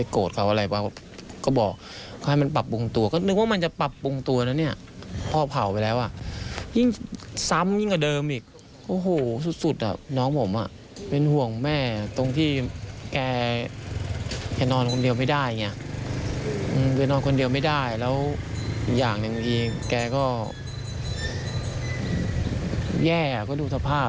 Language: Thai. ก็ดูสภาพเลยนะ